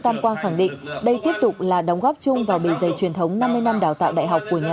đã khẳng định đây tiếp tục là đóng góp chung vào bỉ dây truyền thống năm mươi năm đào tạo đại học của nhà